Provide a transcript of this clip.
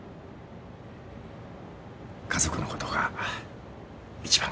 家族のことが一番悲しい。